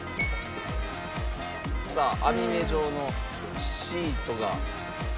さあ網目状のシートが。